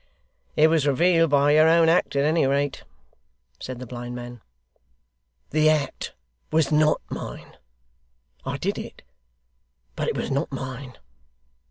'It was revealed by your own act at any rate,' said the blind man. 'The act was not mine. I did it, but it was not mine.